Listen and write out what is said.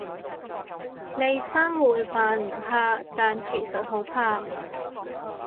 利申會扮唔怕，但其實好怕